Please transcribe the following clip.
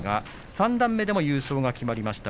三段目でも優勝が決まりました。